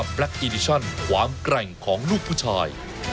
ชุวิตตีแสงหน้า